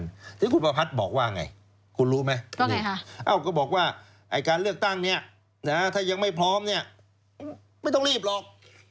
ซึ่งคุณประพัทธ์บอกว่าไงคุณรู้ไหมก็บอกว่าการเลือกตั้งเนี่ยถ้ายังไม่พร้อมเนี่ยไม่ต้องรีบหรอก